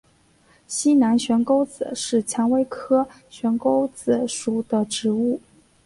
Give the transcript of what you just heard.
西南悬钩子是蔷薇科悬钩子属的植物。